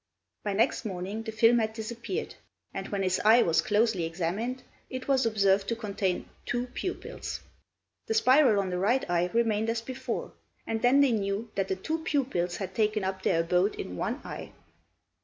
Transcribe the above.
By next morning the film had disappeared, and when his eye was closely examined it was observed to contain two pupils. The spiral on the right eye remained as before; and then they knew that the two pupils had taken up their abode in one eye.